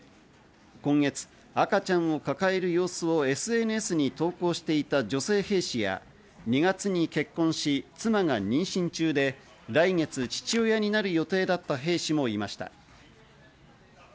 今月赤ちゃんを抱える様子をＳＮＳに投稿していた女性兵士や２月に結婚し、妻が妊娠中で来月、父親になる予定だった兵士もいました。